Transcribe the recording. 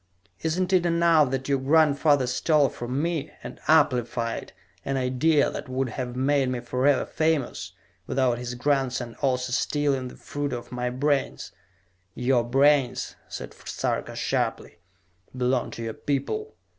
"Isn't it enough that your grandfather stole from me, and amplified, an idea that would have made me forever famous, without his grandson also stealing the fruit of my brains?" "Your brains," said Sarka sharply, "belong to your people.